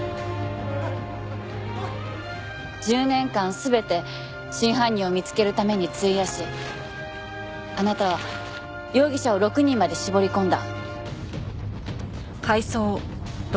１０年間全て真犯人を見つけるために費やしあなたは容疑者を６人まで絞り込んだ。